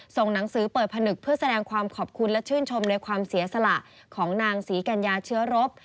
ส่งหนังสือเปิดผนึกเพื่อแสดงความขอบคุณและชื่นชมในความเสียสละของนางศรีกัญญาเชื้อรบ